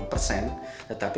ini akan membebani